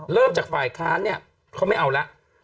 เริ่มจากฝ่ายค้านเนี่ยเขาไม่เอาแล้ว